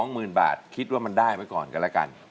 หมื่นบาทคิดว่ามันได้ไว้ก่อนกันแล้วกัน